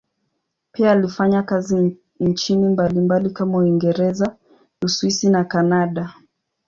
Pia alifanya kazi nchini mbalimbali kama Uingereza, Uswisi na Kanada.